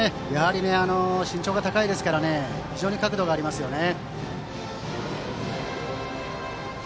身長が高いですから非常に角度がありますね。